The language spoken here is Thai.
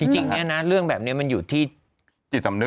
จริงเนี่ยนะเรื่องแบบนี้มันอยู่ที่จิตสำนึก